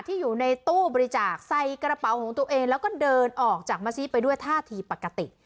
อยู่ในตู้บริจาคใส่กระเป๋าของตัวเองแล้วก็เดินออกจากมัสซิไปด้วยท่าทีปกติ